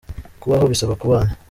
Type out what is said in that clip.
kubaho bisaba kubana